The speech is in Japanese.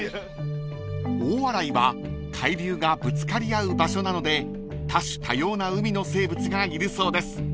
［大洗は海流がぶつかり合う場所なので多種多様な海の生物がいるそうです］